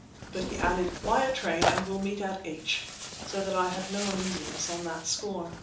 But he added "Wire train and will meet at H—"; so that I had no uneasiness on that score.